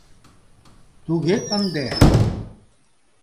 — Туге ынде!